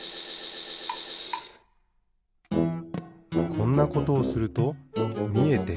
こんなことをするとみえてくる。